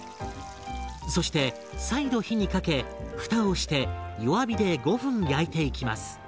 そして再度火にかけ蓋をして弱火で５分焼いていきます。